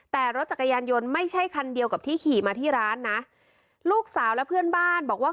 แต่รถจักรยานยนต์ไม่ใช่คันเดียวกับที่ขี่มาที่ร้านนะลูกสาวและเพื่อนบ้านบอกว่า